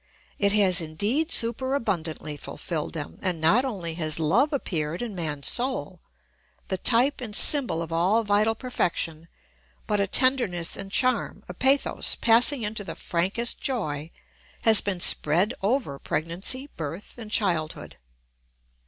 It has indeed super abundantly fulfilled them, and not only has love appeared in man's soul, the type and symbol of all vital perfection, but a tenderness and charm, a pathos passing into the frankest joy, has been spread over pregnancy, birth, and childhood.